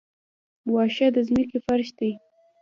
واښه د ځمکې فرش دی